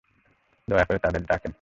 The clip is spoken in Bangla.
দয়া করে তাদের ডাকেন।